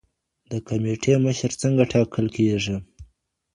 د کميټي مشر څنګه ټاکل کیږي؟